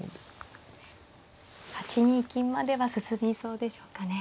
８二金までは進みそうでしょうかね。